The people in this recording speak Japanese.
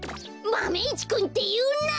「マメ１くん」っていうな！